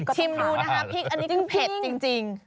ชิมดูนะคะพริกอันนี้คือเผ็ดจริง